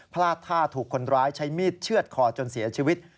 พลาดท่าถูกคนร้ายใช้มีดเชื่อดคอจนเสียชีวิต